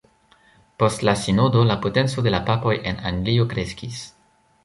Post la sinodo la potenco de la papoj en Anglio kreskis.